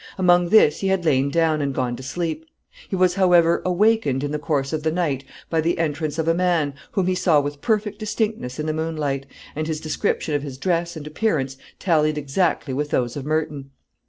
Among this he had lain down, and gone to sleep. He was, however, awakened in the course of the night by the entrance of a man, whom he saw with perfect distinctness in the moonlight, and his description of his dress and appearance tallied exactly with those of Merton.